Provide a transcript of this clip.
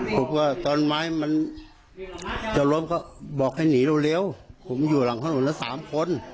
ผมว่าตอนไม้มันจะล้มก็บอกให้หนีเร็วผมอยู่หลังถนนแล้วสามคน